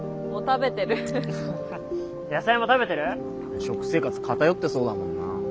食生活偏ってそうだもんな。